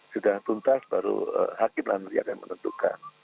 sudah tuntas baru hakim lainnya akan menentukan